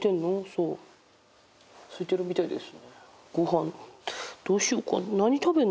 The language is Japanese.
そうすいてるみたいです